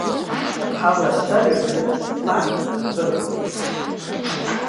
Ҳалацәажәап даҽа фақтк атәы.